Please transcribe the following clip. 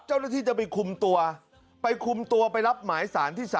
แต่ทีนี้ถ้าเกิดว่ามันเป็น๒๒จริง๙โมงจริง